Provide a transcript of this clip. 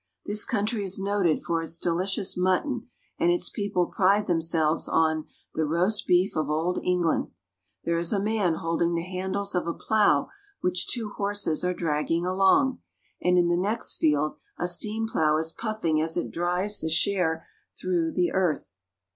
This country is noted for its delicious mutton, and its people pride themselves on " the roast beef of old England." There is a man holding the handles of a plow which two horses are dragging along, and in the next field a steam plow is puffing as it drives the share through the earth.